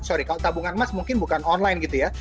sorry kalau tabungan emas mungkin bukan online gitu ya